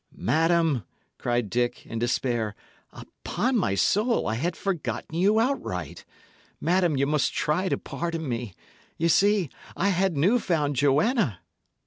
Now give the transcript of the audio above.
"Madam," cried Dick, in despair, "upon my soul I had forgotten you outright. Madam, ye must try to pardon me. Ye see, I had new found Joanna!"